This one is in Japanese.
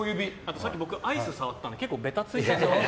さっき僕アイス触ったので結構べたついてた。